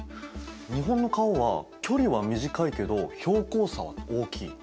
日本の川は距離は短いけど標高差は大きい。